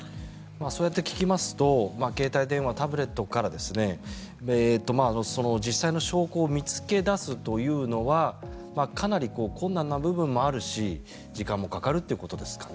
そうやって聞きますと携帯電話、タブレットから実際の証拠を見つけ出すというのはかなり困難な部分もあるし時間もかかるということですかね？